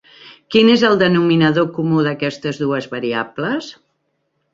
Quin és el denominador comú d'aquestes dues variables?